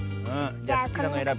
じゃすきなのえらぶね。